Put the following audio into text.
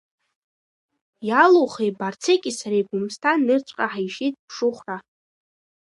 Иалухи, Барцики сареи Гәымсҭа нырцәҟа ҳишьҭит ԥшыхәра.